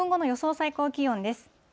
最高気温です。